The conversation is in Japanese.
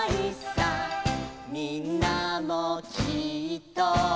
「みんなもきっと」